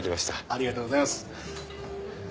ありがとうございます。